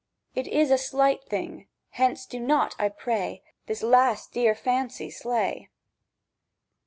It is a slight thing; hence do not, I pray, This last dear fancy slay!"